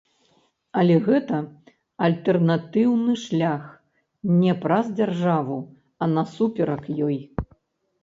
Але гэта альтэрнатыўны шлях, не праз дзяржаву, а насуперак ёй.